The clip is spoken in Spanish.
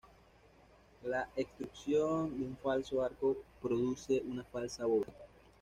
La extrusión de un falso arco produce una falsa bóveda.